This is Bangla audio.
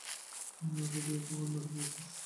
রাতে তুই কখন বাড়ি ফিরেছিস?